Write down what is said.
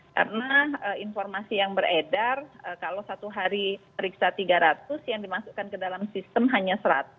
karena informasi yang beredar kalau satu hari periksa tiga ratus yang dimasukkan ke dalam sistem hanya seratus